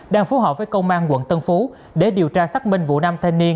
đang phú hợp với công an quận tân phú để điều tra xác minh vụ nam thanh niên